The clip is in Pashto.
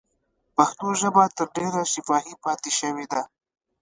پښتو ژبه تر ډېره شفاهي پاتې شوې ده.